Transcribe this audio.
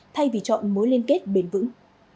thay vì chọn mối liên kết bền vững